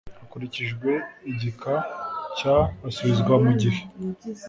hakurikijwe igika cya asubizwa mu gihe